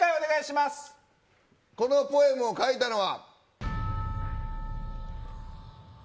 このポエムを書いたのは。